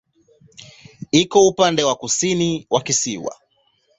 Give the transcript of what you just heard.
Iko upande wa kusini wa kisiwa.